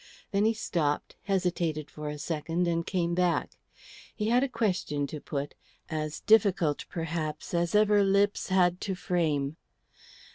Then he stopped, hesitated for a second, and came back. He had a question to put, as difficult perhaps as ever lips had to frame.